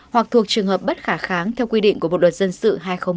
hoặc thuộc trường hợp bất khả kháng theo quy định của bộ luật dân sự hai nghìn một mươi năm